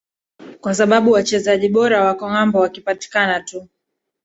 kwa sababu wachezaji bora wako ngambo wakipatikana tu